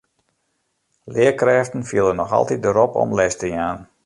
Learkrêften fiele noch altyd de rop om les te jaan.